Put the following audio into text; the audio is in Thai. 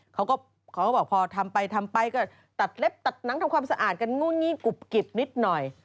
เขาก็เขาก็บอกพอทำไปทำไปก็ตัดเล็บตัดหนังทำความสะอาดกันงู่นงี่กุบกิบนิดหน่อย